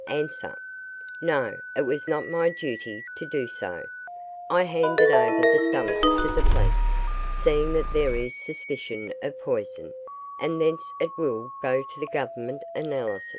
A. No; it was not my duty to do so; I handed over the stomach to the police, seeing that there is suspicion of poison, and thence it will go to the Government analyst.